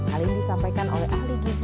hal ini disampaikan oleh ahli gizi